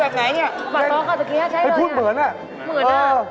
อุ๊ยปาต๊อบก็แบบไหนนี่พูดเหมือนน่ะเหมือน